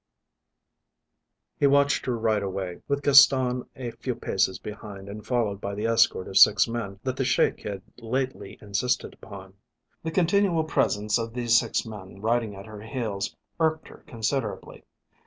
He watched her ride away, with Gaston a few paces behind and followed by the escort of six men that the Sheik had lately insisted upon. The continual presence of these six men riding at her heels irked her considerably.